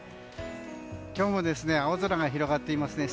今日も青空が広がっていますね。